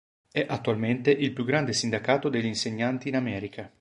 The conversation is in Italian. È attualmente il più grande sindacato degli insegnanti in America.